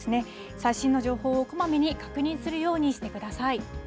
最新の情報をこまめに確認するようにしてください。